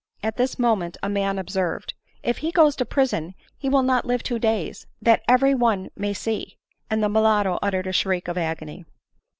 At this moment a man observed, " If he goes to prison he will not live two days, that every one may see ;" and the mulatto uttered a shriek of agony.